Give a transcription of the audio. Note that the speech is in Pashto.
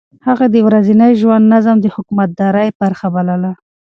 هغه د ورځني ژوند نظم د حکومتدارۍ برخه بلله.